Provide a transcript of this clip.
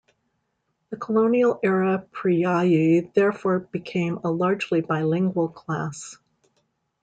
The colonial era priyayi, therefore, became a largely bilingual class.